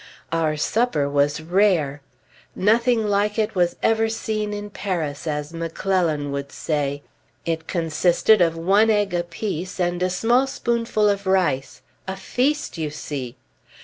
Our supper was rare. "Nothing like it was ever seen in Paris," as McClellan would say. It consisted of one egg apiece, with a small spoonful of rice. A feast, you see!